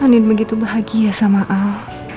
anin begitu bahagia sama al